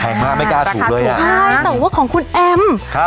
มากไม่กล้าถูกเลยอ่ะใช่แต่ว่าของคุณแอมครับ